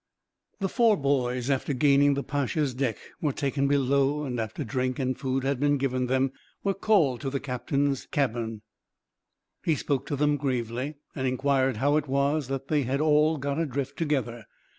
The four boys, upon gaining the Pacha's deck, were taken below; and after drink and food had been given them, were called to the captain's cabin. He spoke to them gravely, and inquired how it was that they had all got adrift, together.